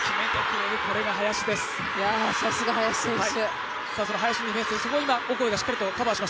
さすが林選手。